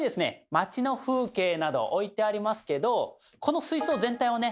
町の風景など置いてありますけどこの水槽全体をね